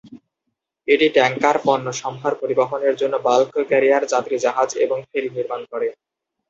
এটি ট্যাঙ্কার, পণ্যসম্ভার পরিবহনের জন্য বাল্ক ক্যারিয়ার, যাত্রী জাহাজ এবং ফেরী নির্মাণ করে।